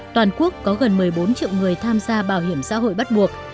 toàn quốc có gần một mươi bốn triệu người tham gia bảo hiểm xã hội bắt buộc